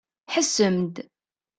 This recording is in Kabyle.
Ḥessem-d!